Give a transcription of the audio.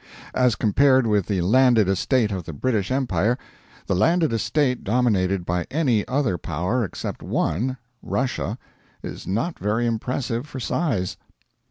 As compared with the landed estate of the British Empire, the landed estate dominated by any other Power except one Russia is not very impressive for size.